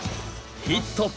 ヒット！